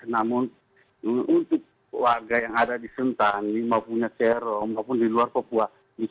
namun untuk warga yang ada di sentani maupun di cerro maupun di luar papua